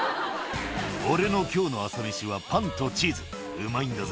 「俺の今日の朝飯はパンとチーズうまいんだぜ」